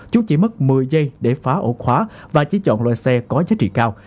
chú chỉ mất một mươi giây để phá ổ khóa và chỉ chọn loại xe có giá trị cao